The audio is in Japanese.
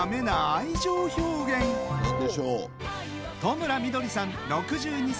戸村みどりさん６２歳。